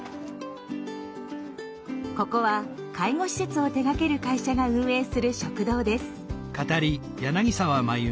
ここは介護施設を手がける会社が運営する食堂です。